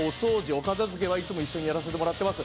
お片付けはいつも一緒にやらせてもらってます。